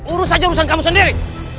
urus saja urusan kamu sendiri